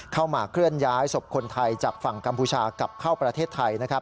เข้ามาเคลื่อนย้ายศพคนไทยจากฝั่งกัมพูชากลับเข้าประเทศไทยนะครับ